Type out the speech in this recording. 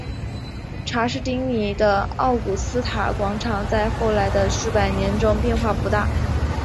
查士丁尼的奥古斯塔广场在后来的数百年中变化不大。